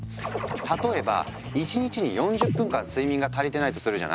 例えば１日に４０分間睡眠が足りてないとするじゃない？